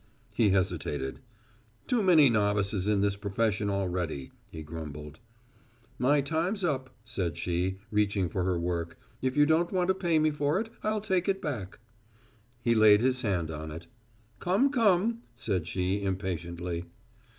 He hesitated. "Too many novices in this profession already," he grumbled. "My time's up," said she, reaching for her work. "If you don't want to pay me for it, I'll take it back." He laid his hand on it. "Come, come," said she, impatiently.